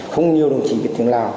không nhiều đồng chí biết tiếng lào